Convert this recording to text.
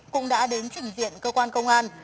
cũng đã đến trình diện cơ quan công an